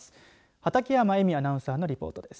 畠山衣美アナウンサーのリポートです。